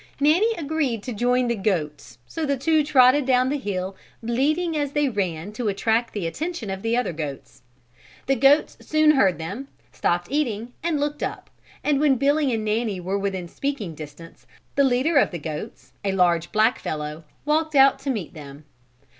Nanny agreed to join the goats so the two trotted down the hill bleating as they ran to attract the attention of the other goats. The goats soon heard them, stopped eating and looked up, and when Billy and Nanny were within speaking distance the leader of the goats, a large black fellow, walked out to meet them.